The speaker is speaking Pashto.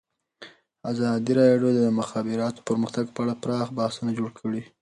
ازادي راډیو د د مخابراتو پرمختګ په اړه پراخ بحثونه جوړ کړي.